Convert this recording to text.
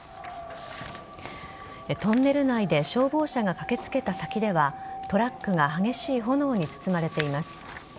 トンネル内で消防車が駆けつけた先ではトラックが激しい炎に包まれています。